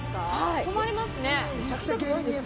困りますね。